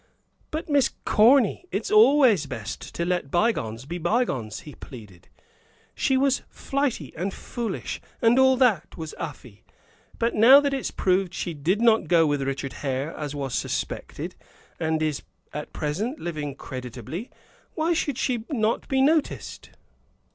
"But, Miss Corny, it's always best to let bygones be bygones," he pleaded. "She was flighty and foolish, and all that, was Afy; but now that it's proved she did not go with Richard Hare, as was suspected, and is at present living creditably, why should she not be noticed?"